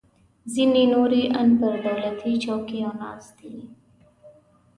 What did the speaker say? ځینې نور یې ان پر دولتي چوکیو ناست دي